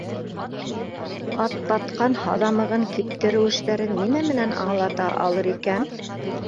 Атбатҡан һаҙамығын киптереү эштәрен нимә менән аңлата алыр икән?